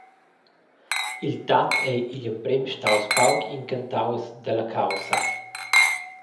Il tat ei igl emprem staus pauc incantaus dalla caussa.